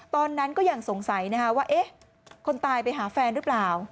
ตอนนั้นก็ยังสงสัยว่าเอ๊ะคนตายไปหาแฟนหรือเปล่า